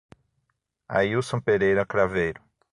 Ailson Pereira Craveiro